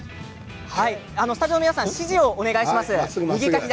スタジオの皆さん指示をお願いします。